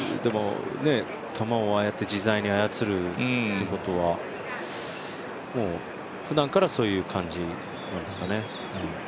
球をああやって自在に操るということは、ふだんからそういう感じなんですかね。